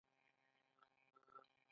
وږی نه يم.